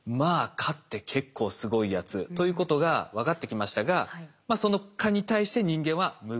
蚊って結構すごいやつということが分かってきましたがその蚊に対して人間は無防備だと。